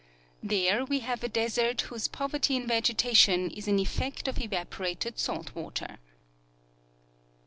There we have a desert whose poverty in vegeta tion is an effect of evaporated salt water.